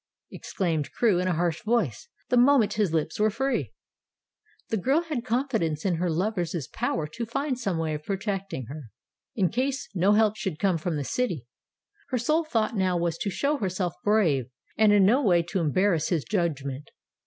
exclaimed Crewe in a harsh voice, the moment his lips were free. The girl had confidence in her lover's power to find some way of protecting her, in case no help should come from the city. Her sole thought now was to show herself brave, and in no way to embarrass his judgment.